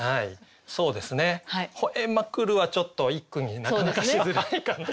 そうですね「吠えまくる」はちょっと一句になかなかしづらいかなと。